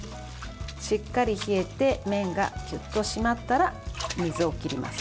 しっかり冷えて麺がキュッと締まったら水を切ります。